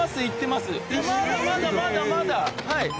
まだまだまだまだ。